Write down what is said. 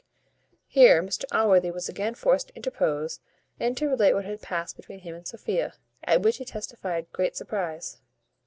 Here Mr Allworthy was again forced to interpose, and to relate what had passed between him and Sophia, at which he testified great surprize.